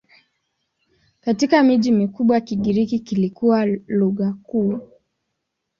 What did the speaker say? Katika miji mikubwa Kigiriki kilikuwa lugha kuu.